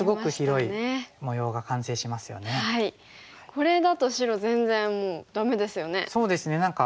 これだと白全然もうダメですよね。